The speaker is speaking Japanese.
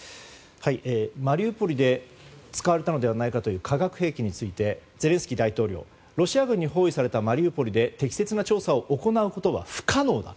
マリウポリで使われたのではないかという化学兵器についてゼレンスキー大統領はロシア軍に包囲されたマリウポリで、適切な調査を行うことは不可能だ。